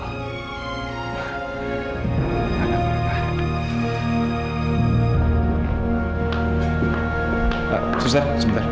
gak mikir apa apa